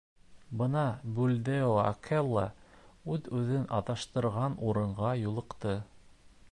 Бына Бульдео Акела үҙ эҙен аҙаштырған урынға юлыҡты.